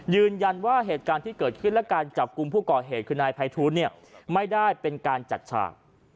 ยืนยันว่าเหตุการณ์ที่เกิดขึ้นและการจับกลุ่มผู้ก่อเหตุคือนายภัยทูลเนี่ยไม่ได้เป็นการจัดฉาก